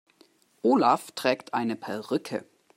Olaf trägt eine Perücke.